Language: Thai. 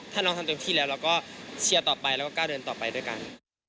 ถ้าน้องทำเต็มที่แล้วเราก็เชียร์ต่อไปแล้วก็กล้าเดินต่อไปด้วยกัน